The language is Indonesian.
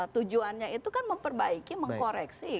tujuannya itu kan memperbaiki mengkoreksi